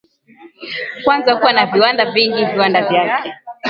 kwanza kuwa na viwanda vingi viwanda vyake